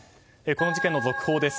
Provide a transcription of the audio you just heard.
この事件の続報です。